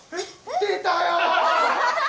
出たよ！